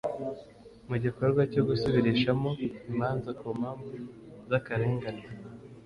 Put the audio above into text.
mu gikorwa cyo gusubirishamo imanza ku mpamvu z akarengane